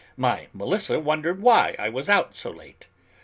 My Melissa wondered why I was out so late.